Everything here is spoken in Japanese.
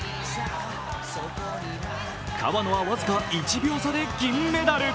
川野は僅か１秒差で銀メダル。